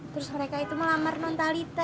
terus mereka itu melamar non talita